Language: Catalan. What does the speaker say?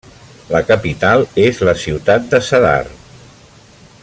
La capital és la ciutat de Zadar.